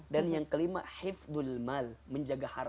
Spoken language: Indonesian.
dan yang kelima hifdun nafs menjaga jiwa menjaga diri